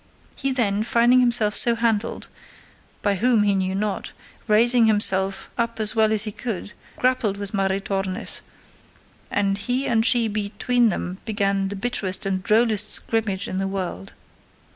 He then, finding himself so handled, by whom he knew not, raising himself up as well as he could, grappled with Maritornes, and he and she between them began the bitterest and drollest scrimmage in the world.